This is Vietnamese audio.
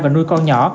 và nuôi con nhỏ